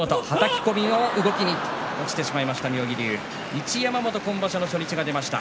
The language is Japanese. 一山本今場所の初日が出ました。